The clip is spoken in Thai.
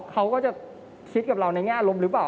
เขาก็จะคิดกับเราในแง่ลมหรือเปล่า